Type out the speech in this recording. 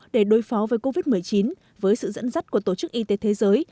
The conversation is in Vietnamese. để đối phó với covid một mươi chín với sự dẫn dắt của tổ chức y tế thế giới